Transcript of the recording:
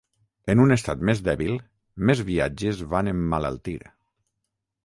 En un estat més dèbil, més viatges van emmalaltir.